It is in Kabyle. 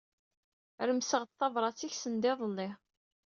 Remseɣ-d tabrat-ik send iḍelli.